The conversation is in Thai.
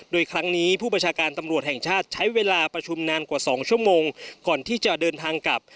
โดยครั้งนี้ผู้บัญชาการตำรวจแห่งชาติใช้เวลาประชุมนานกว่า๒ชั่วโมงก่อนที่จะเดินทางกลับ